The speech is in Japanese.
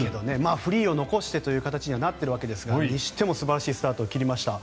フリーを残してという形にはなっているわけですがにしても素晴らしいスタートを切りました。